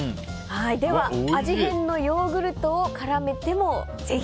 では味変のヨーグルトを絡めてもぜひ。